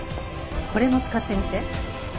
これも使ってみて。